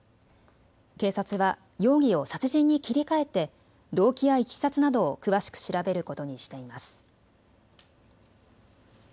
警察は容疑を殺人に切り替えて動機やいきさつなどを詳しく調べることにしています。